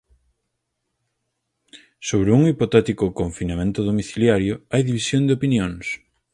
Sobre un hipotético confinamento domiciliario, hai división de opinións.